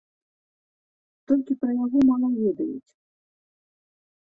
Толькі пра яго мала ведаюць.